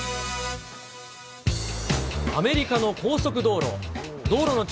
アメリカの高速道路。